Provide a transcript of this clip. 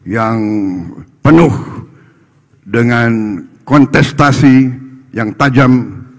yang penuh dengan kontestasi yang tajam